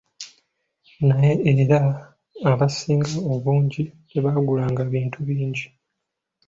Naye era abasinga obungi tebaagulanga bintu bingi.